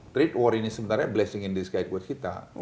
trade war ini sebenarnya blessing in disguite buat kita